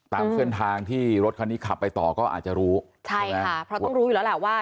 ตามเส้นทางที่รถคันนี้ขับไปต่อก็อาจจะรู้ใช่ค่ะเพราะต้องรู้อยู่แล้วแหละว่า